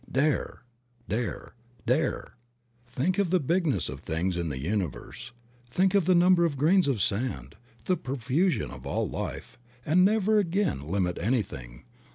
Dare, Dare, Dare. Think of the bigness of things in the universe, think of the number of grains of sand, the profusion of all life, and never again limit anything.